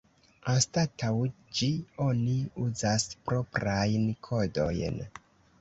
Anstataŭ ĝi oni uzas proprajn kodojn.